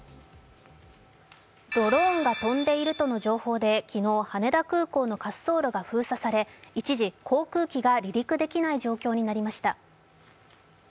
ドローンが飛んでいるとの情報で昨日、羽田空港の滑走路が封鎖され、一時、航空機が離陸できない状況になりました。